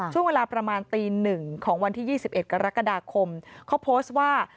ช่วงเวลาประมาณตีหนึ่งของวันที่๒๑กรกฎาคมเขาโพสต์ว่า